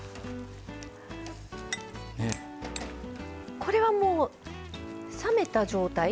これはもう冷めた状態で？